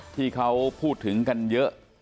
ที่เขาพูดถึงกันเยอะ